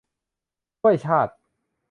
ช่วยชาติ !